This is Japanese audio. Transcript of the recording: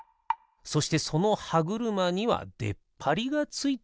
そしてそのはぐるまにはでっぱりがついている。